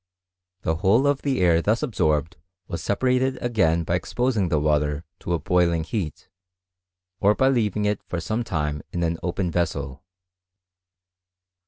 The whole of the air thus ab sorbed was separated again by exposing the water to a boiling heat, or by leaving it for some time in an open I vessel.